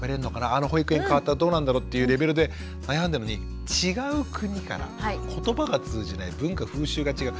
あの保育園かわったらどうなんだろう？っていうレベルで悩んでるのに違う国から言葉が通じない文化風習が違う。